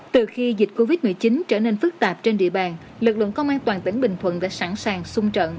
từ khi dịch covid một mươi chín trở nên phức tạp trên địa bàn lực lượng công an toàn tỉnh bình thuận đã sẵn sàng sung trận